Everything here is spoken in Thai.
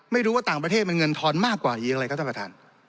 ไม่รู้ว่าต่างประเทศมันเงินทอนมากกว่ายิงอะไรครับท่านประธาน